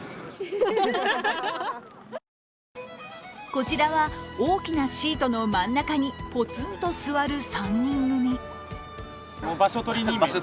こちらは大きなシートの真ん中にぽつんと座る３人組。